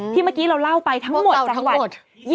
เมื่อกี้เราเล่าไปทั้งหมดจังหวัด